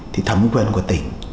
thì thẩm quyền của tỉnh